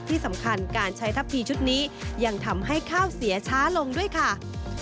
ที่สำคัญการใช้ทัพทีชุดนี้ยังทำให้ข้าวเสียช้าลงด้วยค่ะ